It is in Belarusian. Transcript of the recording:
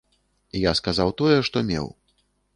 Я сказаў тое, што меў.